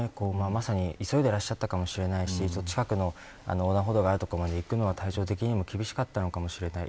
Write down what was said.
まさに、急いでいらっしゃったかもしれないし近くの横断歩道がある所まで行くまでは体調的にも厳しかったかもしれない。